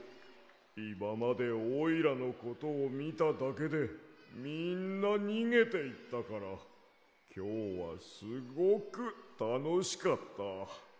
いままでおいらのことをみただけでみんなにげていったからきょうはすごくたのしかった。